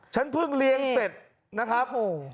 ฉันเพิ่งเลี้ยงเสร็จ